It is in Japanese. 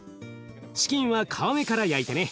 チキンは皮目から焼いてね。